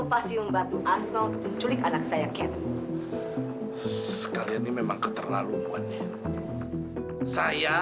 pak bapak tuh kenapa sih tidur terus